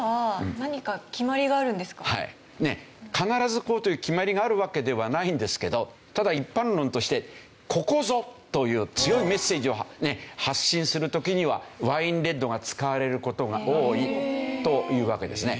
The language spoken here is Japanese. その「必ずこう」という決まりがあるわけではないんですけどただ一般論としてここぞという強いメッセージを発信する時にはワインレッドが使われる事が多いというわけですね。